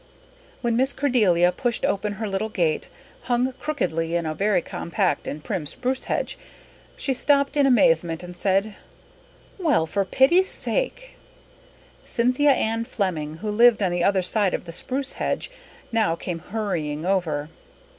When Miss Cordelia pushed open her little gate, hung crookedly in a very compact and prim spruce hedge, she stopped in amazement and said, "Well, for pity's sake!" Cynthia Ann Flemming, who lived on the other side of the spruce hedge, now came hurrying over.